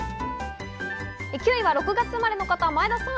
９位は６月生まれの方、前田さん。